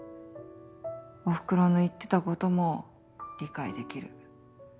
おふくろの言ってたことも理解できる。